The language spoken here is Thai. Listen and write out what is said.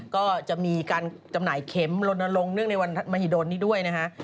ก็จะมีการจำหน่ายเข็มลนลงเนื่องในวันมหิดลนี้ด้วยนะฮะ